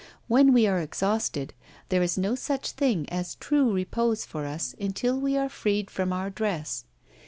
When we are exhausted, there is no such thing as true repose for us until we are freed from our dress.